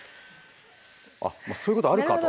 あっそういうことあるかと。